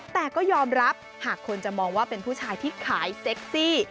แต่ก็ยอมรับหากคนจะมองว่าเป็นผู้ชายที่ขายเซ็กซี่